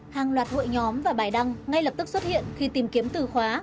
hàng loạt hội nhóm và bài đăng ngay lập tức xuất hiện khi tìm kiếm từ khóa